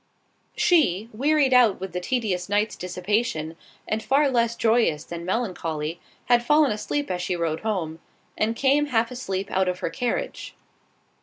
She, wearied out with the tedious night's dissipation, and far less joyous than melancholy, had fallen asleep as she rode home, and came half asleep out of her carriage.